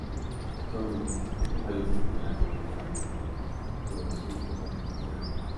Sólo rivalizan con las cataratas del Iguazú en Argentina y Brasil.